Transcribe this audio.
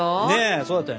そうだったよね。